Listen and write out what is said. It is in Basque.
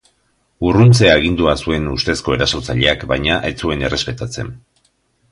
Urruntze-agindua zuen ustezko erasotzaileak, baina ez zuen errespetatzen.